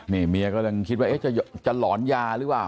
นี่เมียก็ยังคิดว่าจะหลอนยาหรือเปล่า